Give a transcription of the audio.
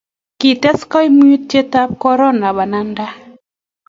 kites kaimutietab korona banabda